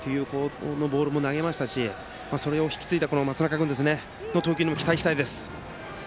そのボールも投げましたしそれを引き継いだ松中君の投球にも期待したいです。